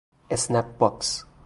اسنپ باکس